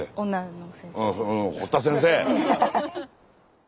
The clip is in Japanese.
堀田先生。